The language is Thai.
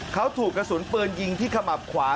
เขาถูกกระสุนปืนยิงที่ขมับขวา